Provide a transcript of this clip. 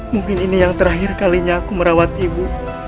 mungkin ini yang terakhir kalinya aku merawat ibu